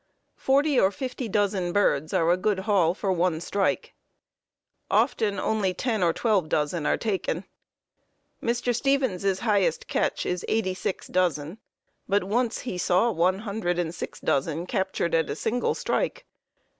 Forty or fifty dozen birds are a good haul for one "strike." Often only ten or twelve dozen are taken. Mr. Stevens' highest "catch" is eighty six dozen, but once he saw one hundred and six dozen captured at a single "strike."